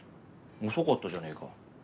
遅かったじゃねえか。